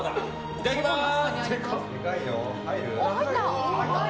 いただきます！